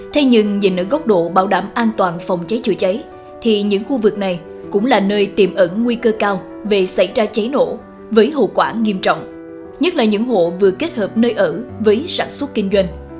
thế nhưng nhìn ở góc độ bảo đảm an toàn phòng cháy chữa cháy thì những khu vực này cũng là nơi tiềm ẩn nguy cơ cao về xảy ra cháy nổ với hậu quả nghiêm trọng nhất là những hộ vừa kết hợp nơi ở với sản xuất kinh doanh